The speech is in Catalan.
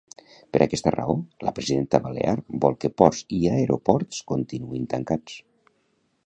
Per aquesta raó, la presidenta balear vol que ports i aeroports continuïn tancats.